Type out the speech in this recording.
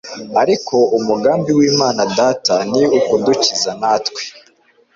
Ariko umugambi w’Imana Data ni ukudukiza natwe